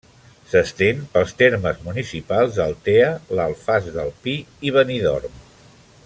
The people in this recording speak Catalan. S'estén pels termes municipals d'Altea, l'Alfàs del Pi i Benidorm.